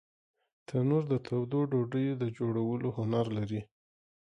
تنور د تودو ډوډیو د جوړولو هنر لري